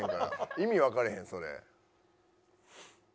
意味わからへんそれ。